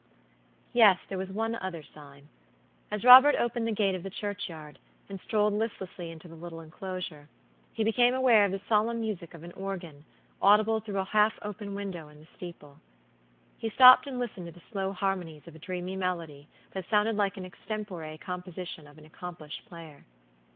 Yes, there was one other sign. As Robert opened the gate of the churchyard, and strolled listessly into the little inclosure, he became aware of the solemn music of an organ, audible through a half open window in the steeple. He stopped and listened to the slow harmonies of a dreamy melody that sounded like an extempore composition of an accomplished player.